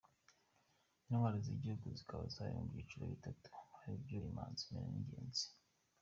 Intwari z’igihugu zikaba ziri mu byiciro bitatu aribyo:Imanzi, Imena n'Ingezi.